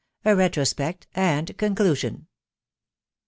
A RETROSPECT AND CONCLUBIOK.